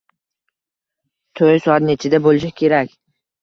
To`y soat nechchida bo`lishi kerak